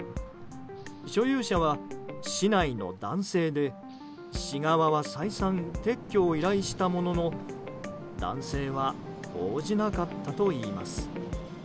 所有者は市内の男性で市側は、再三撤去を依頼したものの男性は応じなかったといいます。